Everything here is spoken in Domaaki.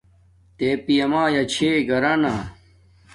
تے پیامیا چھے گھرانا